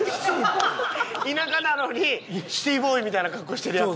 田舎なのにシティーボーイみたいな格好してるヤツ？